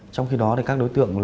trong khi đó thì các đối tượng là